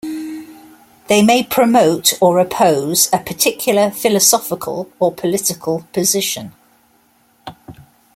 They may promote or oppose a particular philosophical or political position.